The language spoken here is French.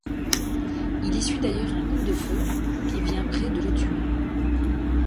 Il essuie d'ailleurs un coup de feu qui vient près de le tuer.